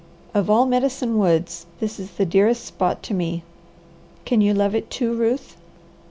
Of all Medicine Woods this is the dearest spot to me. Can you love it too, Ruth?"